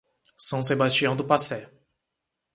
São Sebastião do Passé